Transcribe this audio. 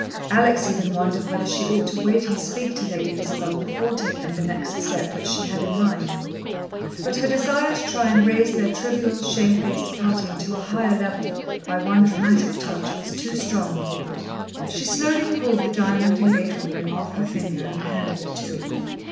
Alex even wondered whether she ought to wait and speak to Lady Isabel before taking the next step which she had in mind, but her desire to try and raise their trivial, shamefaced parting to a higher level by one dramatic touch, was too strong for her. She slowly pulled the diamond engagement ring off her finger, and handed it to him.